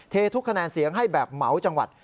ทุกคะแนนเสียงให้แบบเหมาจังหวัด